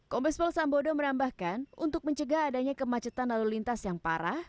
kombes pol sambodo menambahkan untuk mencegah adanya kemacetan lalu lintas yang parah